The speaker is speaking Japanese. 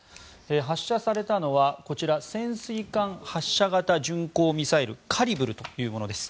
発射されたのは潜水艦発射型巡航ミサイルカリブルというものです。